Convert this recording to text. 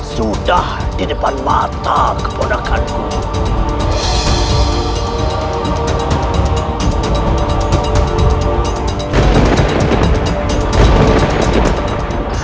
sudah di depan mata keponakanku